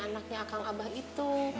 anaknya akan ambah itu